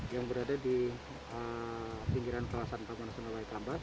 yang berada di pinggiran kawasan taman nasional waikambas